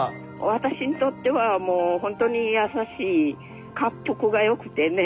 私にとってはもう本当に優しいかっぷくがよくてね